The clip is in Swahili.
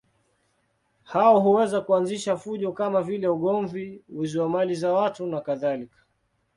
Hao huweza kuanzisha fujo kama vile ugomvi, wizi wa mali za watu nakadhalika.